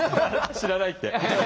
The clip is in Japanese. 知らないって。